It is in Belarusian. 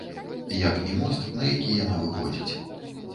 Як і мост, на які яна выходзіць.